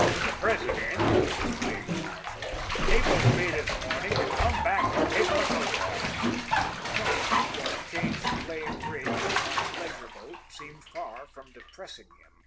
The President," he explained to Marshall, "cables me this morning to come back and take my coat off." The prospect, as a change from playing bridge on a pleasure boat, seemed far from depressing him.